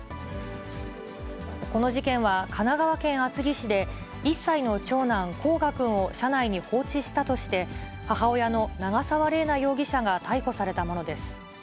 この事件は、神奈川県厚木市で、１歳の長男、煌翔くんを車内に放置したとして、母親の長沢麗奈容疑者が逮捕されたものです。